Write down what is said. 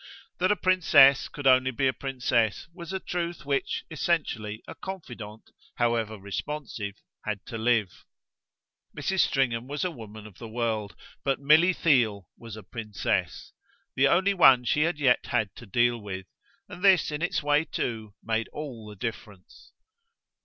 That a princess could only be a princess was a truth with which, essentially, a confidant, however responsive, had to live. Mrs. Stringham was a woman of the world, but Milly Theale was a princess, the only one she had yet had to deal with, and this, in its way too, made all the difference.